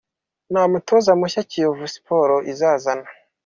Nta mutoza mushya Kiyovu Sports izazana.